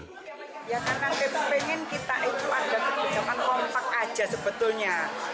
ya karena kita pengen kita itu ada kebijakan kompak aja sebetulnya